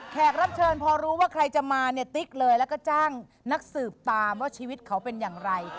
รับเชิญพอรู้ว่าใครจะมาเนี่ยติ๊กเลยแล้วก็จ้างนักสืบตามว่าชีวิตเขาเป็นอย่างไร